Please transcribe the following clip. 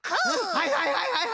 はいはいはいはいっと。